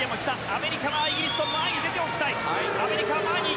アメリカはイギリスの前に出ておきたい。